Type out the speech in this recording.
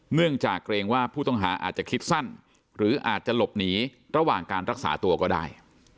เนื่องจากเกรงว่าผู้ต้องหาอาจจะคิดสั้นหรืออาจจะหลบหนีระหว่างการรักษาตัวก็ได้